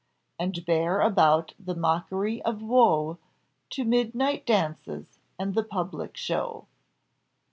"'And bear about the mockery of woe To midnight dances and the public show.